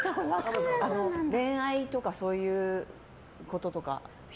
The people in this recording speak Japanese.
恋愛とかそういうことは。